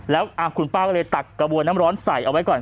แล้วคุณป้าก็เลยตักกระบวนน้ำร้อนใส่เอาไว้ก่อน